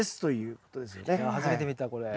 初めて見たこれ。